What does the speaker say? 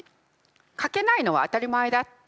書けないのは当たり前だって。